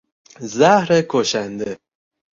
زهر کشنده